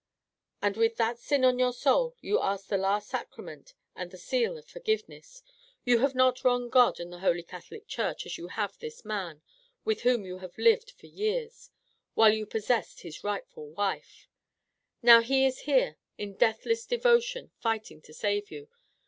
"And with that sin on your soul, you ask the last sacrament and the seal of forgiveness! You have not wronged God and the Holy Catholic Church as you have this man, with whom you have lived for years, while you possessed his rightful wife. Now he is here, in deathless devotion, fighting to save you.